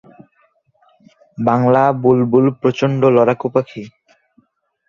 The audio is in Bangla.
বাংলা বুলবুল প্রচণ্ড লড়াকু পাখি।